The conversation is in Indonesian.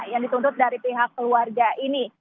menurut dari pihak keluarga ini